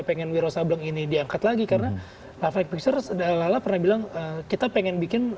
pengen wiro sableng ini diangkat lagi karena life pixer lala pernah bilang kita pengen bikin